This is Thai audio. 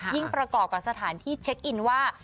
ประกอบกับสถานที่เช็คอินว่า